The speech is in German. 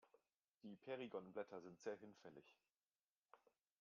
Die Perigonblätter sind sehr hinfällig.